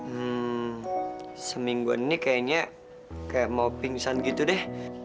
hmm semingguan ini kayaknya kayak mau pingsan gitu deh